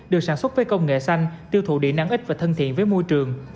được sản xuất với công nghệ xanh tiêu thụ điện nắng ít và thân thiện với môi trường